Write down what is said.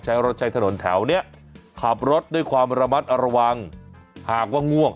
รถใช้ถนนแถวนี้ขับรถด้วยความระมัดระวังหากว่าง่วง